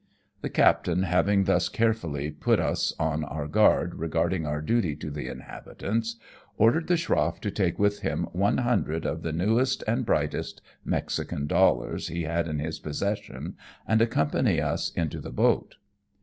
The captain having thus carefully put us on our guard regarding our duty to the inhabitants, ordered the schroff to take with him one hundred of the newest and brightest Mexican dollars he had in his possession, and accompany us into the boat.